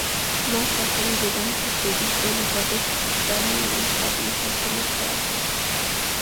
მას სახელი დედამისის დედის, ელიზაბეთ დანიელის პატივსაცემად დაარქვეს.